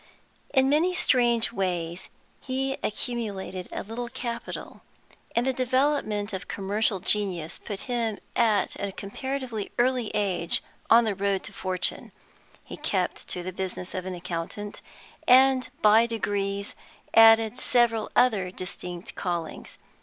In many strange ways he accumulated a little capital, and the development of commercial genius put him at a comparatively early age on the road to fortune. He kept to the business of an accountant, and by degrees added several other distinct callings.